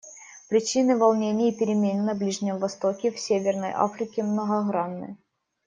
Причины волнений и перемен на Ближнем Востоке и в Северной Африке многогранны.